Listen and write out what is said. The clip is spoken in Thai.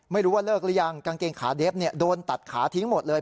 ไม่รู้ว่าเลิกหรือยังกางเกงขาเดฟโดนตัดขาทิ้งหมดเลย